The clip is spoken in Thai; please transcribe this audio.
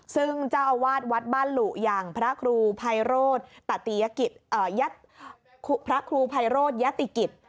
ซึ่งเจ้าอาวาสวัดบ้านหลุอย่างพระครูภัยโรธพระครูภัยโรธยติกิจ